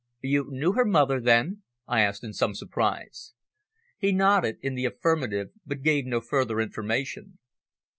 "You knew her mother, then?" I asked in some surprise. He nodded in the affirmative, but gave no further information.